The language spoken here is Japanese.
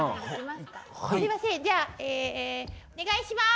すいませんじゃあお願いします。